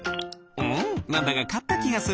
うんなんだかかったきがする。